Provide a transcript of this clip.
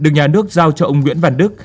được nhà nước giao cho ông nguyễn văn đức